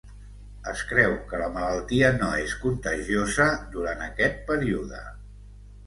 Es creu que la malaltia no és contagiosa durant aquest període.